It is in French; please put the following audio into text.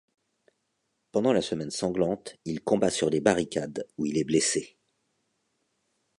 Pendant la Semaine sanglante, il combat sur les barricades où il est blessé.